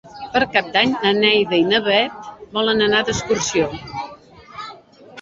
Per Cap d'Any na Neida i na Bet volen anar d'excursió.